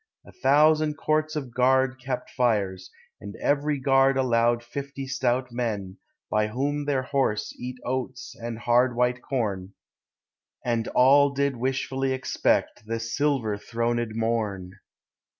A thousand courts of guard kept fires, and every guard allowed Fifty stout men, by whom their horse eat oats and hard white corn, And all did wishfully expect the silver throned morn.